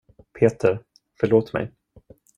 Peter, förlåt mig.